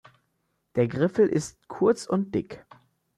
Der Griffel ist kurz und dick.